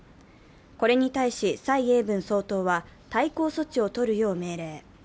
これに対し蔡英文総統は対抗措置をとるよう命令。